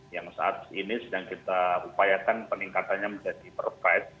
yang saat ini sedang kita upayakan peningkatannya menjadi pervide